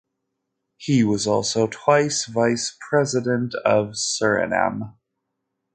He was also twice vice president of Suriname.